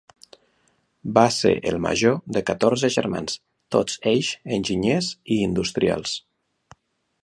Va ser el major dels catorze germans, tots ells enginyers i industrials.